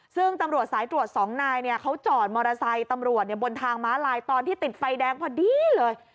ซึ่งตำรวจสายตรวจสองนายเนี่ยเขาจอดมอเตอร์ไซค์ตำรวจบนทางม้าลายตอนที่ติดไฟแดงพอดีเลย